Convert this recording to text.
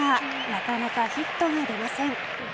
なかなかヒットが出ません。